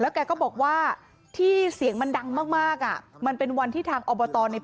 แล้วแกก็บอกว่าที่เสียงมันดังมากอ่ะมันเป็นวันที่ทางอบทในพื้นเที่ยม